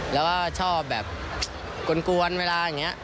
แล้วก็ชอบแบบกลวนเวลาอย่างนี้